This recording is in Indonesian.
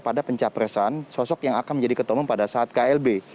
pada pencapresan sosok yang akan menjadi ketua umum pada saat klb